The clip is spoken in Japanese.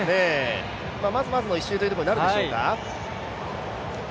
まずまずの１周というところになるでしょうか。